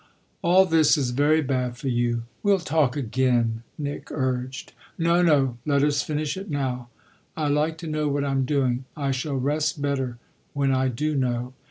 "All this is very bad for you we'll talk again," Nick urged. "No, no let us finish it now. I like to know what I'm doing. I shall rest better when I do know.